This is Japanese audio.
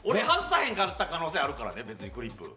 へんかった可能性ありますからね、クリップ。